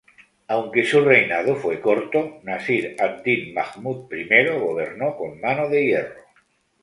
Aunque su reinado fue corto, Nasir ad-Din Mahmud I gobernó con mano de hierro.